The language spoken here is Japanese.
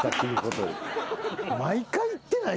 毎回行ってない？